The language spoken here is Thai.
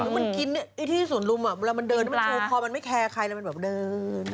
มันกินที่สวนรุมมันเฉียบคอมันไม่แคร์ใครมันแบบเดิน